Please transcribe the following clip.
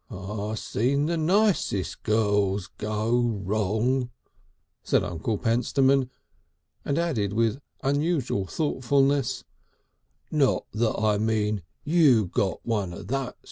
"I seen the nicest girls go wrong," said Uncle Pentstemon, and added with unusual thoughtfulness, "Not that I mean you got one of that sort."